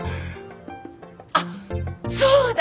あっそうだ。